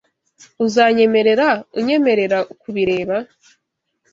Uzanyemerera unyemerera kubireba?